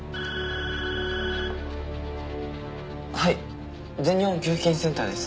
はい全日本給付金センターです。